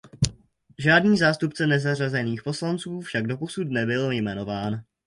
Žádný zástupce nezařazených poslanců však doposud nebyl jmenován.